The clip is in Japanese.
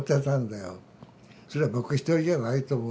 それは僕１人じゃないと思う。